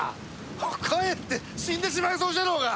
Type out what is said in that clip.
かえって死んでしまいそうじゃろうが！